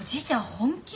本気！？